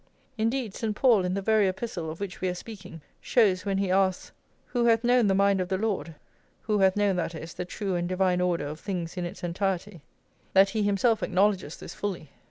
Indeed, St. Paul, in the very Epistle of which we are speaking, shows, when he asks, "Who hath known the mind of the Lord?"+ who hath known, that is, the true and divine order of things in its entirety, that he himself acknowledges this fully.